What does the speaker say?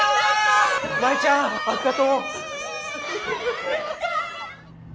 舞ちゃんあっがとう。